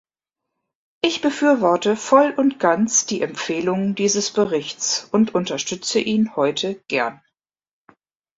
Ich befürworte voll und ganz die Empfehlungen dieses Berichts und unterstütze ihn heute gern.